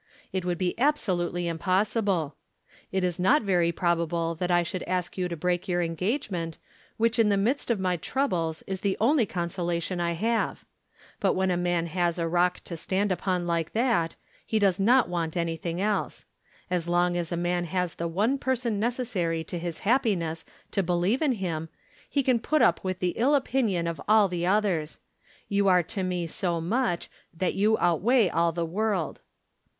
It would be absolutely impossible. It is not very probable that I should ask you to break your engagement, which in the midst of my troubles is the only consolation I have. But when a man has a rock to stand upon like that, he does not want anything else. As long as a man has the one person necessary to his happiness to believe in him, he can put up with the ill opinion of all the others. You are to me so much that you outweigh all the world.